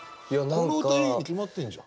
この歌いいに決まってんじゃん。